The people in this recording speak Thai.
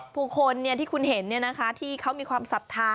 ผู้คนที่คุณเห็นที่เขามีความศรัทธา